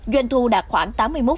doanh thu đạt khoảng tám mươi một